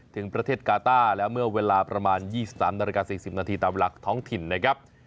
ถึงประเทศกาต้าแล้วเมื่อเวลาประมาณ๒๓นาฬิกา๔๐นาทีตามหลักท้องถิ่นนะครับ